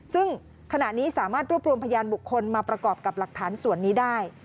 ซึ่งขณะนี้สามารถรวบรวมพยานบุคคลมาประกอบกับหลักฐานส่วนนี้ได้